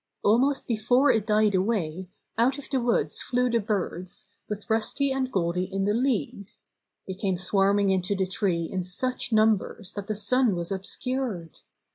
Almost before it died away, out of the woods flew the birds, with Rusty and Goldy in the lead. They came swarming into the tree in such numbers that the sun was obscured.